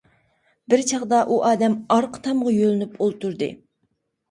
بىر چاغدا ئۇ ئادەم ئارقا تامغا يۆلىنىپ ئولتۇردى.